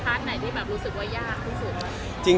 พาร์ทไหนที่รู้สึกว่ายากที่สุด